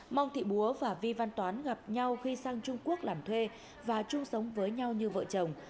mong thị búa và vi văn toán gặp nhau khi sang trung quốc làm thuê và chung sống với nhau như vợ chồng